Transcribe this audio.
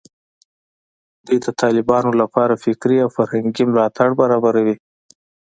دوی د طالبانو لپاره فکري او فرهنګي ملاتړ برابروي